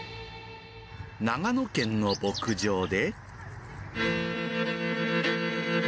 長野県の牧場で。